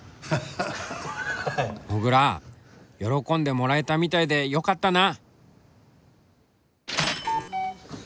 もぐら喜んでもらえたみたいでよかったな！